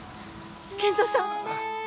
賢三さん。